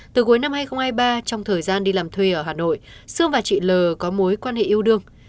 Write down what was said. từ cuối năm hai nghìn hai mươi ba trong thời gian đi làm thuê ở hà nội sương và chị l có mối quan hệ yêu đương